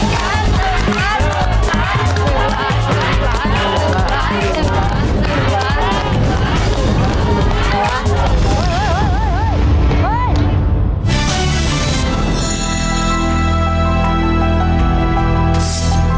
สวัสดีครับ